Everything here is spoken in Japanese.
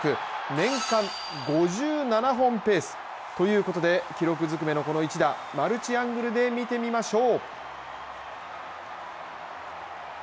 年間５７本ペース。ということで記録ずくめのこの一打、マルチアングルで見てみましょう。